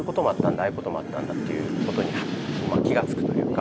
ああいうこともあったんだということに気がつくというか。